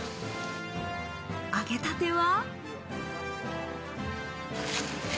揚げたては。